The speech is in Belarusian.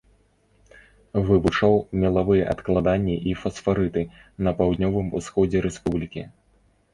Вывучаў мелавыя адкладанні і фасфарыты на паўднёвым усходзе рэспублікі.